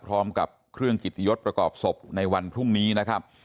พร้อมกับเครื่องกิตยศประกอบศพในวันพรุ่งนี้นะครับ